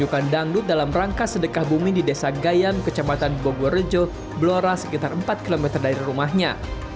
kandangdut dalam rangka sedekah bumi di desa gayam kecamatan bogorejo belora sekitar empat km dari rumahnya